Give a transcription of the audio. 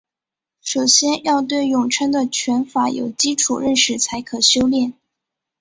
首先要对咏春的拳法有基础认识才可修练。